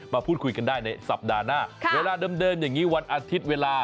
พูดคุยกันได้ในสัปดาห์หน้าเวลาเดิมอย่างนี้วันอาทิตย์เวลา